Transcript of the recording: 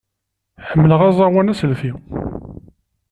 Ḥemmleɣ aẓawan aselti.